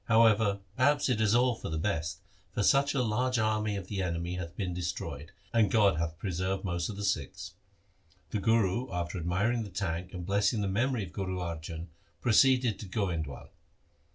However, perhaps it is all for the best, for such a large army of the enemy hath been destroyed, and God hath preserved most of the Sikhs.' The Guru after ad miring the tank and blessing the memory of Guru Arjan proceeded to Goindwal.